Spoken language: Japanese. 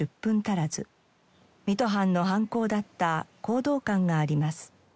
水戸藩の藩校だった弘道館があります。